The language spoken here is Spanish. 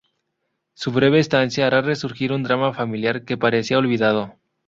Su breve estancia hará resurgir un drama familiar que parecía olvidado.